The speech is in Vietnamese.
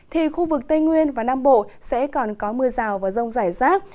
thì khu vực tây nguyên và nam bộ sẽ còn có mưa rào và rông rải rác